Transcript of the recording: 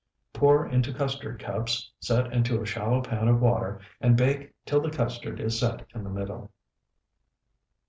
Pour into custard cups, set into a shallow pan of water, and bake till the custard is set in the middle.